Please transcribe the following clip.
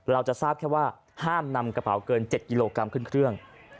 เราจะทราบแค่ว่าห้ามนำกระเป๋าเกิน๗กิโลกรัมขึ้นเครื่อง